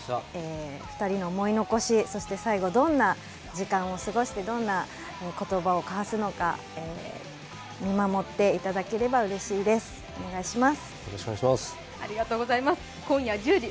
二人の思い残し、そして最後どんな時間を過ごして、どんな言葉を交わすのか見守っていただければうれしいです、お願いします。